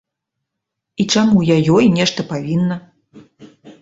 І чаму я ёй нешта павінна?